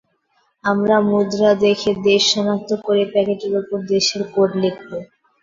আমরা মুদ্রা দেখে দেশ শনাক্ত করে প্যাকেটের ওপর দেশের কোড লিখব।